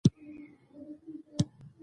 او خوږې کیښتې ترې راووتلې.